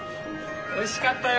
おいしかったよ。